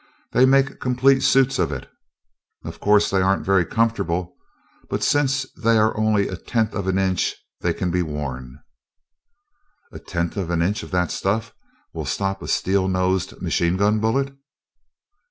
They make complete suits of it. Of course they aren't very comfortable, but since they are only a tenth of an inch they can be worn." "And a tenth of an inch of that stuff will stop a steel nosed machine gun bullet?"